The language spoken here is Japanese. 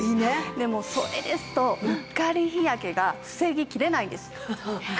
でもそれですとうっかり日焼けが防ぎきれないんです。